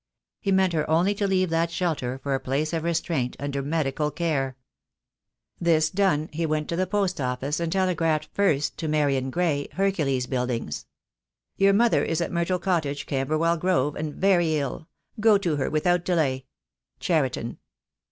He meant her only to leave that shelter for a place of restraint, under medical care. THE DAY WILL COME. 253 This done, he went to the post office and telegraphed first to Marian Gray, Hercules Buildings: — "Your mother is at Myrtle Cottage, Camberwell Grove, and very ill. Go to her without delay. — Cheriton."